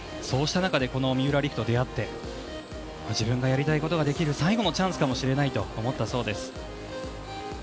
そうした中でこの三浦璃来と出会って自分がやりたいことができる最後のチャンスかもしれないと思ったそうです。